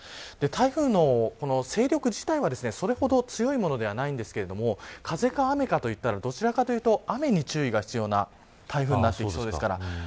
台風の勢力自体はそれほど強いものではないですが風か雨かといったらどちらかというと雨に注意が必要な台風になっていきそうです。